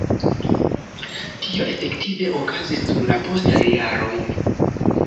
Tio efektive okazis dum la postaj jaroj.